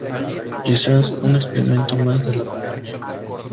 Quizás un experimento más de la compañía.